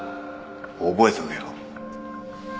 覚えておけよ。